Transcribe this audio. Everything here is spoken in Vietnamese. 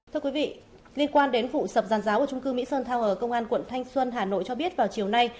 thưa quý vị liên quan đến vụ sập giàn giáo ở trung cư mỹ sơn tower công an quận thanh xuân hà nội cho biết vào chiều nay